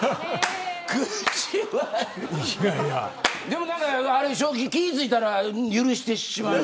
でも気がついたら許してしまう。